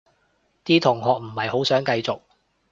啲同學唔係好想繼續